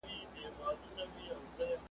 دلته چا په ویښه نه دی ازمېیلی `